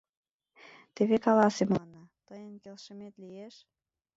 Теве каласе мыланна: тыйын келшымет лиеш?